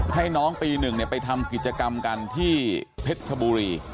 ให้น้องปี๑ไปทำกิจกรรมกันที่เพชรชบุรี